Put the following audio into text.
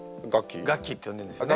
ガッキーって呼んでんですよね。